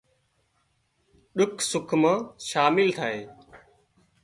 ۮُک سُک مان شامل ٿائي